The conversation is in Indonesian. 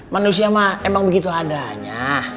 manusia emang begitu adanya